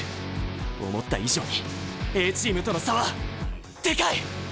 思った以上にＡチームとの差はでかい！